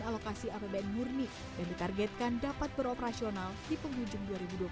alokasi apbn murni dan ditargetkan dapat beroperasional di penghujung dua ribu dua puluh satu